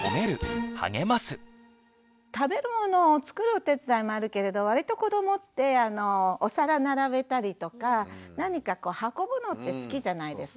食べるものを作るお手伝いもあるけれど割と子どもってお皿並べたりとか何か運ぶのって好きじゃないですか。